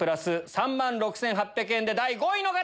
３万６８００円で第５位の方！